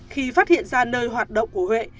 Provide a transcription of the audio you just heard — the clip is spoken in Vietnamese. khi phát hiện ra nơi hoạt động của huệ